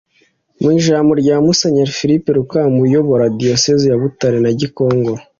Mu ijambo rya Musenyeri Philippe Rukamba uyobora Diyosezi ya Butare na Gikongoro